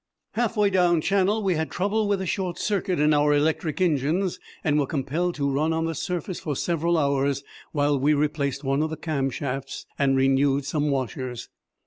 Half way down Channel we had trouble with a short circuit in our electric engines, and were compelled to run on the surface for several hours while we replaced one of the cam shafts and renewed some washers.